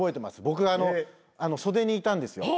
僕が袖にいたんですよ。